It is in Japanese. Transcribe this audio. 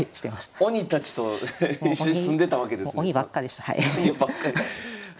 鬼たちと一緒に住んでたわけですね。